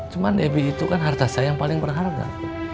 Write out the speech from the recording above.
cuma demi itu kan harta saya yang paling berharga